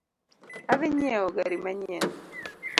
Adhii nyieo gari manyien